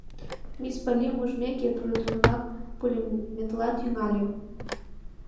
Мисс Поллим ужмеке, тудо тунамак пулеметла тӱҥале: